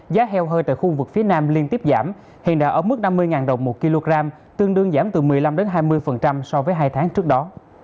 giá heo hơi tại khu vực phía nam liên tiếp giảm hiện đã ở mức năm mươi đồng một kg tương đương giảm từ một mươi năm hai mươi so với hai tháng trước đó